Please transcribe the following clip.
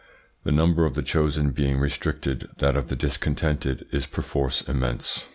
The number of the chosen being restricted, that of the discontented is perforce immense.